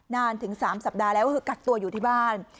นานถึง๓สัปดาห์แล้วก็คือกักตัวอยู่ที่บ้าน